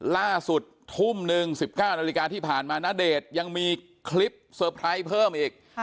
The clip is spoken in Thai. ล่าสุดทุ่มหนึ่ง๑๙นาฬิกาที่ผ่านมาณเดชน์ยังมีคลิปเตอร์ไพรส์เพิ่มอีก